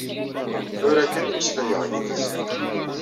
Tura kan i mmeslayeɣ yid-s.